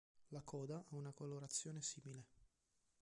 La coda ha una colorazione simile.